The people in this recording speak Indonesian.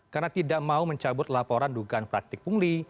karena tidak mau mencabut laporan dugaan praktik pungli